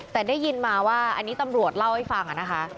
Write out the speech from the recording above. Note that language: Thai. แต่ได้ยินมาว่าอันนี้ตำรวจเล่าให้ฟังนะคะ